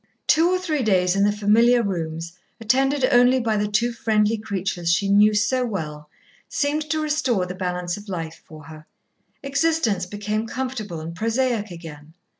Two or three days in the familiar rooms, attended only by the two friendly creatures she knew so well, seemed to restore the balance of life for her. Existence became comfortable and prosaic again.